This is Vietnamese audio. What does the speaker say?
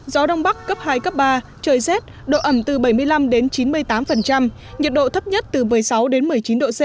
gió đông bắc cấp hai cấp ba trời rét độ ẩm từ bảy mươi năm đến chín mươi tám nhiệt độ thấp nhất từ một mươi sáu đến một mươi chín độ c